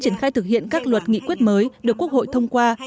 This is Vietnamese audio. triển khai thực hiện các luật nghị quyết mới được quốc hội thông qua